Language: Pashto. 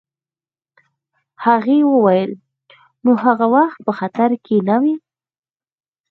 هغې وویل: نو هغه وخت په خطره کي نه وې؟